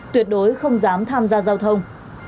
tuyệt đối không dám tham gia giao thông